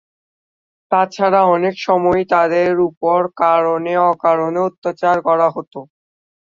তাছাড়া অনেক সময়ই তাদের উপর কারণে অকারণে অত্যাচার করা হতো।